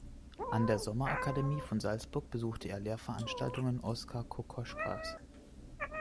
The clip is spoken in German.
An der Sommerakademie von Salzburg besuchte er Lehrveranstaltungen Oskar Kokoschkas.